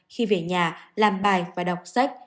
khi về nhà làm bài và đọc sách